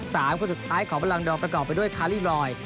คนสุดท้ายของบรังดอกประกอบไปด้วยคารี่บรอย